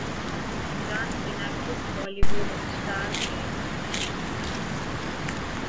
جان Cena کس Bollywood star کے مداح نکلے